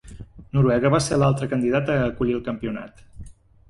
Noruega va ser l'altra candidata a acollir el campionat.